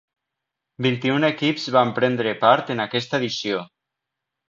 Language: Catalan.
Vint-i-un equips van prendre part en aquesta edició.